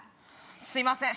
すいません。